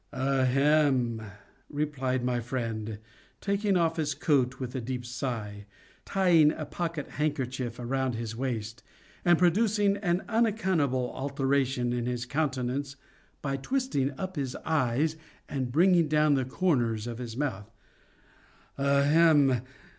"Ahem!" replied my friend, taking off his coat, with a deep sigh, tying a pocket handkerchief around his waist, and producing an unaccountable alteration in his countenance by twisting up his eyes and bringing down the corners of his mouth—"ahem!"